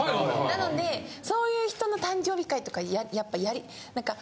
なのでそういう人の誕生日会とかやっぱなんか。